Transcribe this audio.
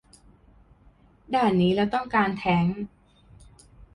ด่านนี้เราต้องการแทงค์